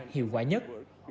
hiệu quả nhất